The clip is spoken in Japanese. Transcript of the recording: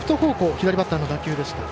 左バッターの打球でした。